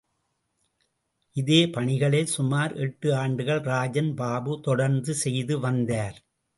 இதே பணிகளை சுமார் எட்டு ஆண்டுகள் ராஜன் பாபு தொடர்ந்து செய்து வந்தார்.